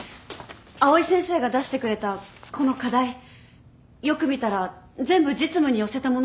藍井先生が出してくれたこの課題よく見たら全部実務に寄せたものでした。